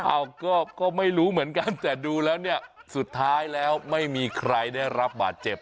เอ้าก็ไม่รู้เหมือนกันแต่ดูแล้วเนี่ยสุดท้ายแล้วไม่มีใครได้รับบาดเจ็บ